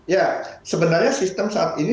ya sebenarnya sistem saat ini